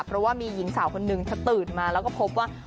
เพราะว่ามีหญิงสาวคนนึงเธอตื่นมาแล้วก็พบว่า